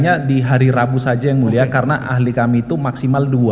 hanya di hari rabu saja yang mulia karena ahli kami itu maksimal dua